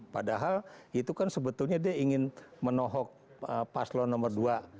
padahal itu kan sebetulnya dia ingin menohok paslo nomor dua